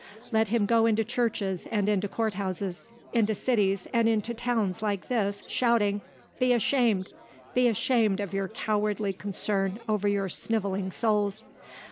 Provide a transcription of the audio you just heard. Let him go into churches and into courthouses, into cities, and into towns like this, shouting, 'Be ashamed! Be ashamed of your cowardly concern over your snivelling souls!